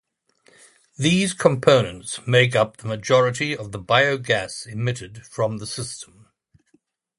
These components make up the majority of the biogas emitted from the system.